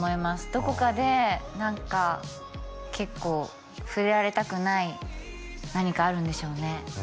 どこかで何か結構触れられたくない何かあるんでしょうね